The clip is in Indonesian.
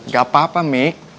gak apa apa mik